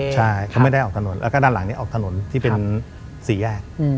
ใช่เขาไม่ได้ออกถนนแล้วก็ด้านหลังนี้ออกถนนที่เป็นสี่แยก